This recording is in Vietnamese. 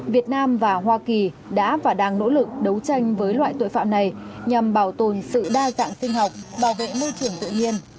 việt nam và hoa kỳ đã và đang nỗ lực đấu tranh với loại tội phạm này nhằm bảo tồn sự đa dạng sinh học bảo vệ môi trường tự nhiên